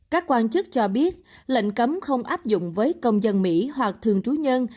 các quan chức cho biết lệnh cấm không áp dụng với công dân mỹ hoặc thường trú nhân